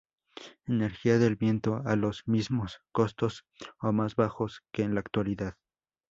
Energía del viento a los mismos costos o más bajos que en la actualidad.